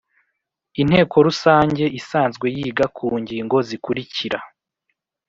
Inteko Rusange Isanzwe Yiga Ku Ngingo Zikurikira